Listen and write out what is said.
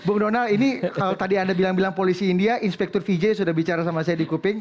bung donal ini kalau tadi anda bilang bilang polisi india inspektur vijay sudah bicara sama saya di kuping